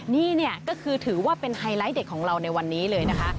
นี่เนี่ยก็คือถือว่าเป็นไฮไลท์เด็กของเราในวันนี้เลยนะคะ